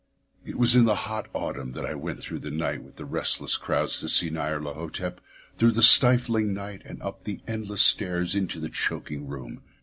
It was in the hot autumn that I went through the night with the restless crowds to see Nyarlathotep; through the stifling night and up the endless stairs into the choking room.